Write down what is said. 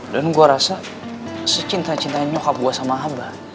dan gue rasa secintanya cintanya nyokap gue sama abah